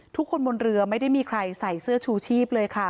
คนบนเรือไม่ได้มีใครใส่เสื้อชูชีพเลยค่ะ